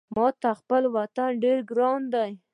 ماته خپل وطن ډېر ګران ده